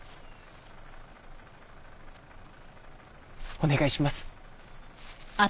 お願いします